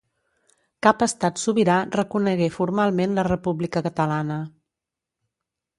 Cap Estat sobirà reconegué formalment la República Catalana.